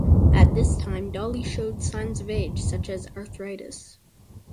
At this time Dolly showed signs of age such as arthritis.